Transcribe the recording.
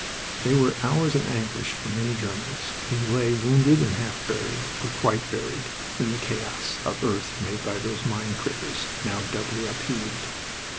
They were hours of anguish for many Germans, who lay wounded and half buried, or quite buried, in the chaos, of earth made by those mine craters now doubly upheaved.